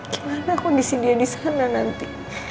gimana kondisi dia disana nanti